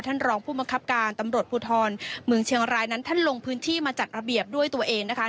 รองผู้บังคับการตำรวจภูทรเมืองเชียงรายนั้นท่านลงพื้นที่มาจัดระเบียบด้วยตัวเองนะคะ